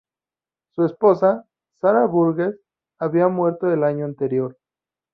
Su esposa, Sarah Burgess, había muerto el año anterior.